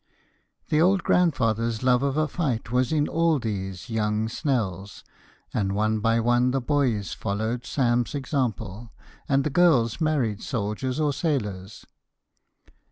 The old grandfather's love of a fight was in all these young Snells, and one by one the boys followed Sam's example, and the girls married soldiers or sailors.